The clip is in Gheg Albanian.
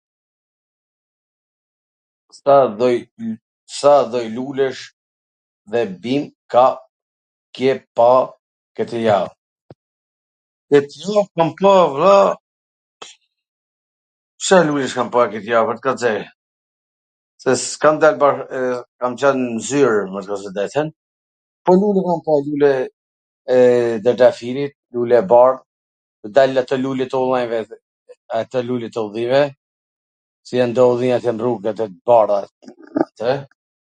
Sa lloj lulesh dhe bim ke pa kwtw jav? Kwt jav kam pa vlla, Car lulesh kam pa ktw jav, ... se s kam dal... kam qwn n zyr me thwn tw drejtwn... po kam pa lule... trwndafili, lule ..., dalin ato lulet e ullijve, ato lulet e ullijve, qw jan do ullij atje n rrug, ato t bardhat,